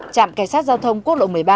trạm cảnh sát giao thông quốc lộ một mươi ba